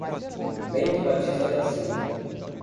Bento Batista da Silva